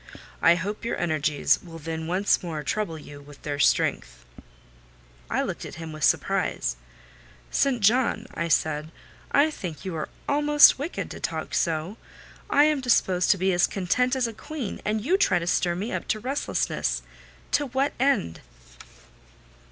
I hope your energies will then once more trouble you with their strength." I looked at him with surprise. "St. John," I said, "I think you are almost wicked to talk so. I am disposed to be as content as a queen, and you try to stir me up to restlessness! To what end?"